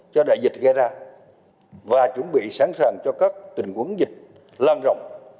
cho đại dịch gây ra và chuẩn bị sẵn sàng cho các tình huống dịch lan rộng